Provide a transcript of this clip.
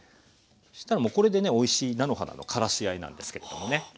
そしたらこれでねおいしい菜の花のからしあえなんですけれどもね。